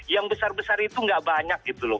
yang besar besar itu nggak banyak gitu loh